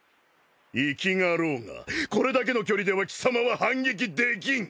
粋がろうがこれだけの距離では貴様は反撃できん。